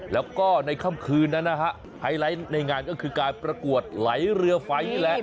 แล้วก็ในค่ำคืนนั้นนะฮะไฮไลท์ในงานก็คือการประกวดไหลเรือไฟนี่แหละ